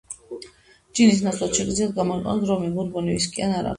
ჯინის ნაცვლად შეგიძლიათ გამოიყენოთ რომი, ბურბონი, ვისკი ან არაყი.